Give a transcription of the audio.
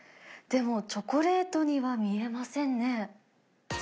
でも、チョコレートには見えませんね。